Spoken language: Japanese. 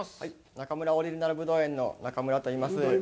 中村オリジナルぶどう園の中村といいます。